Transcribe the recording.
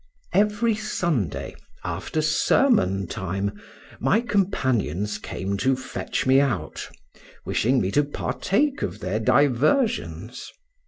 Every Sunday, after sermon time, my companions came to fetch me out, wishing me to partake of their diversions.